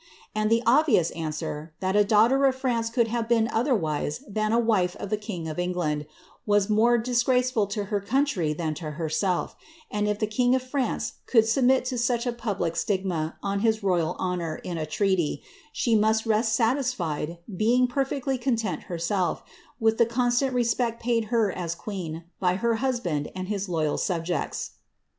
And the obvious rer, that a daughter of France could have been otherwise than a of the king of England, was more disgraceful to her country than lerself; and if the king of France could submit to such a public na on his royal honour in a treaty, she must rest satisfied, being sctly content herself, with the constant respect paid her as queen, ler husband and his loyal subjects.'